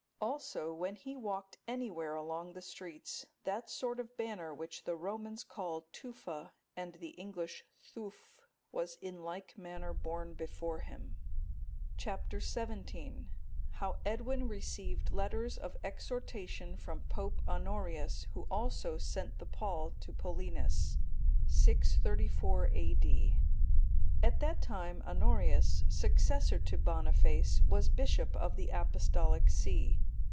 Also, when he walked anywhere along the streets, that sort of banner which the Romans call Tufa,(256) and the English, Thuuf, was in like manner borne before him. Chap. XVII. How Edwin received letters of exhortation from Pope Honorius, who also sent the pall to Paulinus. [634 A.D.] At that time Honorius, successor to Boniface, was Bishop of the Apostolic see.